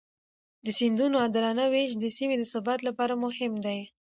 د سیندونو عادلانه وېش د سیمې د ثبات لپاره مهم دی.